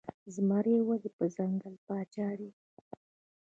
زمری ولې د ځنګل پاچا دی؟